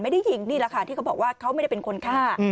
ไม่ได้ยิงนี่แหละค่ะที่เขาบอกว่าเขาไม่ได้เป็นคนฆ่า